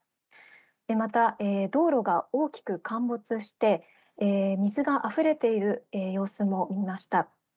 また道路が大きく陥没して水があふれている様子も見ました。